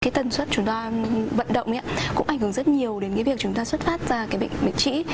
cái tần suất chúng ta vận động cũng ảnh hưởng rất nhiều đến cái việc chúng ta xuất phát ra cái bệnh trĩ